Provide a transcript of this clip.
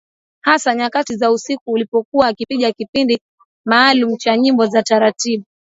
Hasa nyakati za usiku alipokuwa akipiga kipindi maalumu cha nyimbo za taratibu